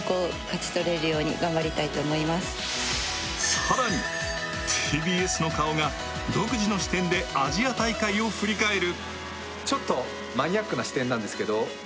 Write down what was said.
更に、ＴＢＳの顔が独自の視点でアジア大会を振り返る。